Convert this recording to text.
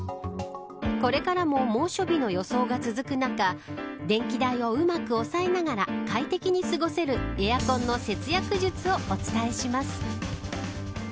これからも猛暑日の予想が続く中電気代をうまく抑えながら快適に過ごせるエアコンの節約術をお伝えします。